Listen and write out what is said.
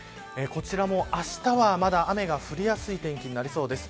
こちらもあしたはまだ雨が降りやすい天気になりそうです。